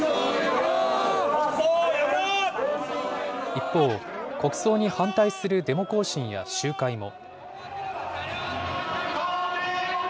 一方、国葬に反対するデモ行進や集会も。